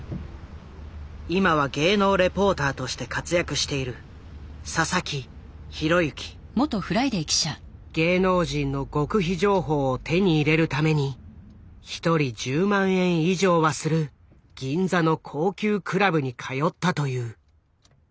今は芸能レポーターとして活躍している芸能人の極秘情報を手に入れるために一人１０万円以上はする銀座の高級クラブに通ったという。